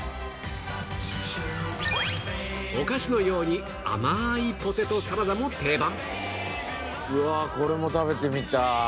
お菓子のように甘いポテトサラダも定番